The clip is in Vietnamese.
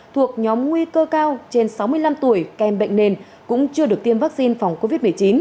thuộc nhóm nguy cơ cao trên sáu mươi năm tuổi kèm bệnh nền cũng chưa được tiêm vaccine phòng covid một mươi chín